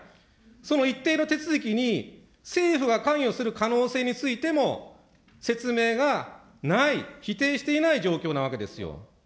その一定の手続きに、政府が関与する可能性についても説明がない、否定していない状況なわけですよ。